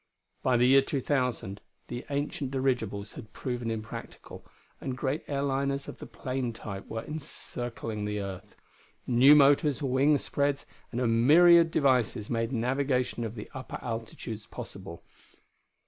By the year 2000, the ancient dirigibles had proven impractical, and great airliners of the plane type were encircling the earth. New motors, wing spreads, and a myriad devices made navigation of the upper altitudes possible.